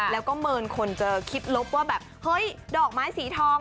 แล้วก็เมินคนจะคิดลบว่าแบบเฮ้ยดอกไม้สีทอง